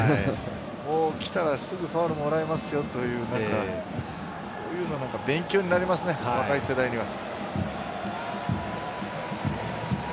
来たらすぐにファウルをもらいますよという勉強になりますね、若い世代には。